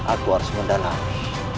aku harus mendalami